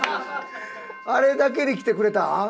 あれだけで来てくれたん？